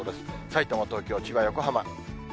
さいたま、東京、千葉、横浜。